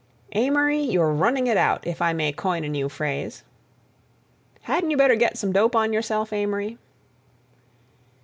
"Amory, you're running it out, if I may coin a new phrase." "Hadn't you better get some dope on yourself, Amory?"